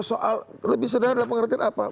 soal lebih sederhana dalam pengertian apa